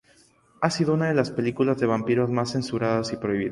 Ha sido una de las películas de vampiros más censuradas y prohibidas.